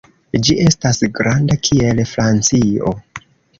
Ĝi estas granda kiel Francio.